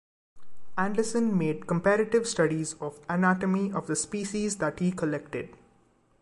Anderson made comparative studies of anatomy of the species that he collected.